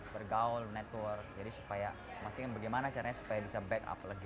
bergaul network jadi supaya masih ingin bagaimana caranya supaya bisa back up lagi